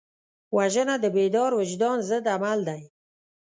وژنه د بیدار وجدان ضد عمل دی